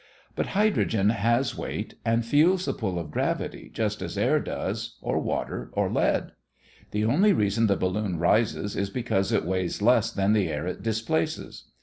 But hydrogen has weight and feels the pull of gravity just as air does, or water, or lead. The only reason the balloon rises is because it weighs less than the air it displaces.